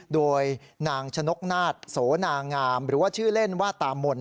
โดยนางชนกนาฏโสนางามหรือว่าชื่อเล่นว่าตามน